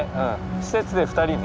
施設で２人ね。